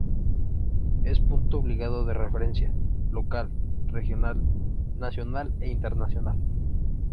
Es punto obligado de referencia, local, regional, nacional e internacional.